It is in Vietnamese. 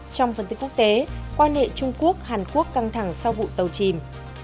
trong phân tích quốc tế quan hệ trung quốc hàn quốc căng thẳng sau vụ tàu chìm